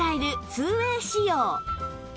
２ＷＡＹ 仕様